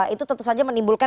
itu tentu saja menimbulkan